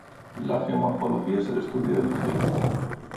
La geomorfología es el estudio del relieve.